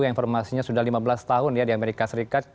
yang informasinya sudah lima belas tahun di amerika serikat